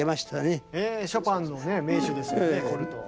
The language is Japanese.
ショパンの名手ですよねコルトー。